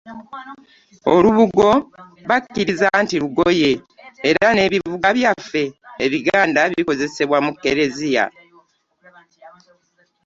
Olubugo bakkiriza nti lugoye era n'ebivuga byaffe Ebiganda babikozesa mu Eklezia.